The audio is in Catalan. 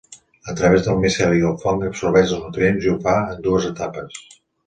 A través del miceli el fong absorbeix els nutrients i ho fa en dues etapes.